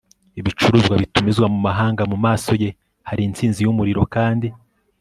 ibicuruzwa bitumizwa mu mahanga. mu maso ye hari intsinzi yumuriro, kandi